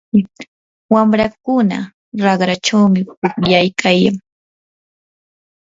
wamrakuna raqrachawmi pukllaykayan.